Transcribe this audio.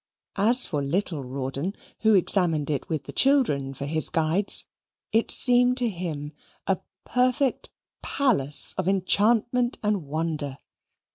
As for little Rawdon, who examined it with the children for his guides, it seemed to him a perfect palace of enchantment and wonder.